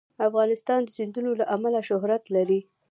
افغانستان د سیندونه له امله شهرت لري.